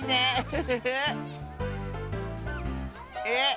え？